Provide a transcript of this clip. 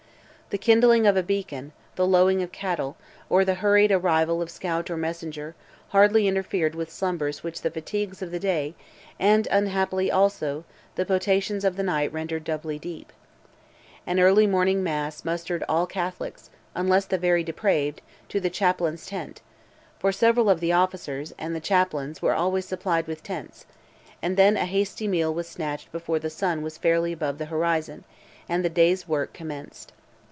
The kindling of a beacon, the lowing of cattle, or the hurried arrival of scout or messenger, hardly interfered with slumbers which the fatigues of the day, and, unhappily also, the potations of the night rendered doubly deep. An early morning mass mustered all the Catholics, unless the very depraved, to the chaplain's tent—for several of the officers, and the chaplains always were supplied with tents; and then a hasty meal was snatched before the sun was fairly above the horizon, and the day's work commenced.